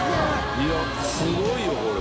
いやすごいよこれ。